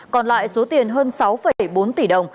còn lại số tiền hơn sáu bốn tỷ đồng